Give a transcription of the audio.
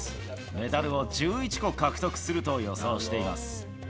メダルを１１個獲得すると予想しています。